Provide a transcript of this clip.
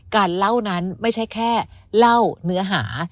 เล่านั้นไม่ใช่แค่เล่าเนื้อหา